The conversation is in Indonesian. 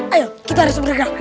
ayo kita harus bergerak